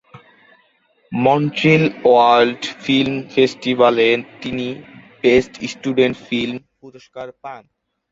Montreal world film ফেস্টিভালে তিনি "best student film" পুরস্কার পান।